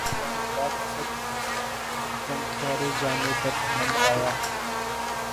مبارک باد اسد، غمخوارِ جانِ درد مند آیا